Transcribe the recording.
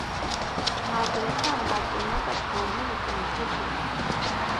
Ntabwo yatangajwe na gato n'ubushobozi bwe